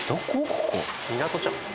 港ちゃうん？